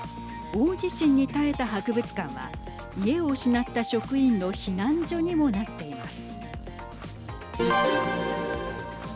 大地震に耐えた博物館は家を失った職員の避難所にもなっています。